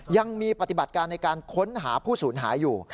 ยังมีปฏิบัติการในการค้นหาผู้สูญหายอยู่